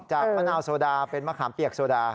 มะนาวโซดาเป็นมะขามเปียกโซดา